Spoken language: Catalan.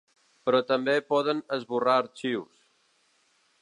Però també poden esborrar arxius.